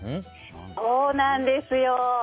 そうなんです。